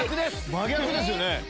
真逆ですよね。